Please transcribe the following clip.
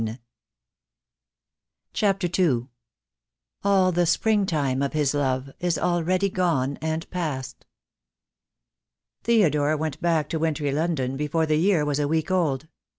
$$ CHAPTER II. "All the spring time of his love Is already gone and past." Theodore went back to wintry London before the year was a week old.